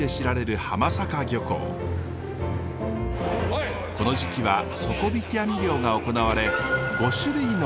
この時期は底引き網漁が行われ５種類のエビが水揚げされます。